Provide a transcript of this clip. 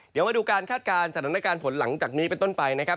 เดี๋ยวมาดูการคาดการณ์สถานการณ์ฝนหลังจากนี้เป็นต้นไปนะครับ